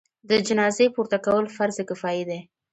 د جنازې پورته کول فرض کفایي دی.